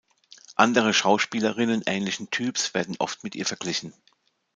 Andere Schauspielerinnen ähnlichen Typs werden oft mit ihr verglichen.